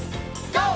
ＧＯ！